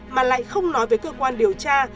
mà lại không nói về cơ quan điều tra